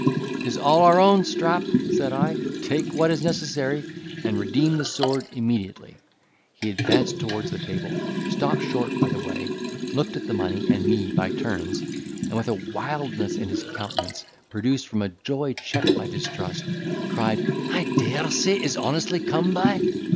"'Tis all our own, Strap," said I; "take what is necessary, and redeem the sword immediately." He advanced towards the table, stopped short by the way, looked at the money and me by turns, and with a wildness in his countenance, produced from joy checked by distrust, cried, "I dare say it is honestly come by."